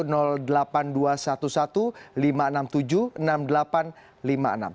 terima kasih sekali lagi pak kapolda jawa barat